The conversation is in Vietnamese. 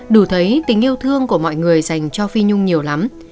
đủ thấy tình yêu thương của mọi người dành cho phi nhung nhiều lắm